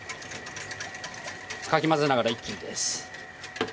かき混ぜながら一気にです。